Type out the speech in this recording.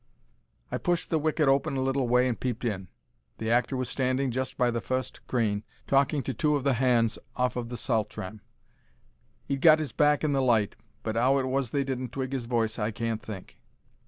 I pushed the wicket open a little way and peeped in. The actor was standing just by the fust crane talking to two of the hands off of the Saltram. He'd got 'is back to the light, but 'ow it was they didn't twig his voice I can't think.